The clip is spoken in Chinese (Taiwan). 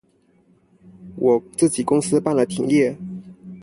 我自己公司辦了停業